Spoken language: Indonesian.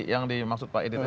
yang dimaksud pak edi tadi